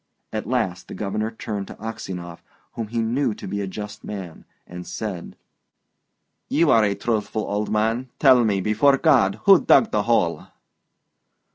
At last the Governor turned to Aksionov whom he knew to be a just man, and said: "You are a truthful old man; tell me, before God, who dug the hole?"